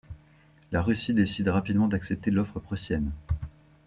La Russie décide rapidement d'accepter l'offre prussienne.